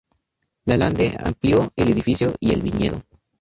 Lalande amplió el edificio y el viñedo.